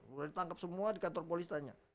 mulai tangkep semua di kantor polis tanya